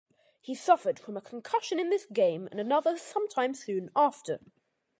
He suffered from a concussion in this game and another some time soon after.